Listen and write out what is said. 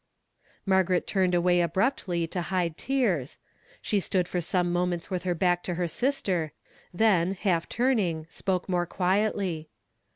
Maigaret turned away abruptly to hide tears. She stood for some moments with her back to her sister, then, half turning, spoke more quietly.